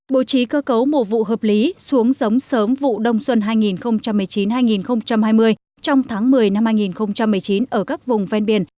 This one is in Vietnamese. bộ trí cơ cấu mùa vụ hợp lý xuống giống sớm vụ đông xuân hai nghìn một mươi chín hai nghìn hai mươi trong tháng một mươi năm hai nghìn một mươi chín ở các vùng ven biển